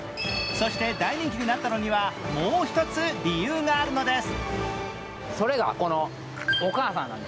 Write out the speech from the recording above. そして大人気になったのには、もう一つ理由があるのです。